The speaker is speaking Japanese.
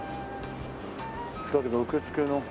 だけど受付の。